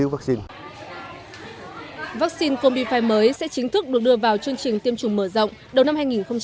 vaccine combi fi mới sẽ chính thức được đưa vào chương trình tiêm chủng mở rộng đầu năm hai nghìn một mươi chín